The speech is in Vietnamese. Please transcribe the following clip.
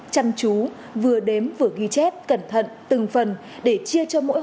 chăm chú vừa đếm vừa ghi chép cẩn thận từng phần để chia cho mỗi